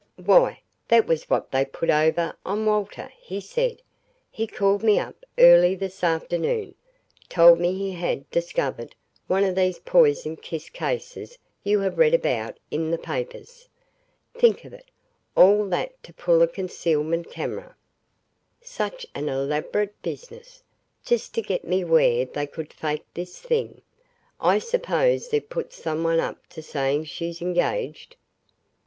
"Why that was what they put over on Walter," he said. "He called me up early this afternoon told me he had discovered one of these poisoned kiss cases you have read about in the papers. Think of it all that to pull a concealed camera! Such an elaborate business just to get me where they could fake this thing. I suppose they've put some one up to saying she's engaged?"